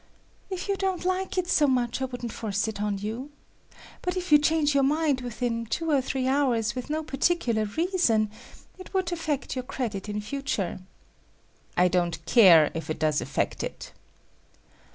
"If you don't like it so much, I wouldn't force it on you. But if you change your mind within two or three hours with no particular reason, it would affect your credit in future." "I don't care if it does affect it."